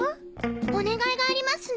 お願いがありますの。